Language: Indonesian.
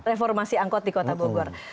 reformasi angkot di kota bogor